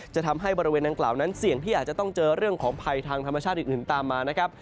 จะทำให้บริเวณดังกล่าวนั้นเสี่ยงที่อาจจะต้องเจอเรื่องของภัยทางธรรมชาติอื่นตามมานะครับ